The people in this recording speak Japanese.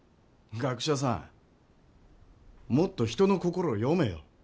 学者さんもっと人の心を読めよ。